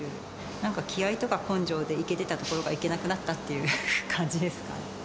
なんか気合いとか根性でいけてたところが、いけなくなったっていう感じですかね。